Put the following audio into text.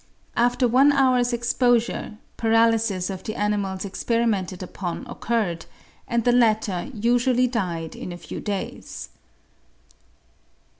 After one hour's exposure paralysis of the animals experimented upon occurred, and the latter usually died in a few days.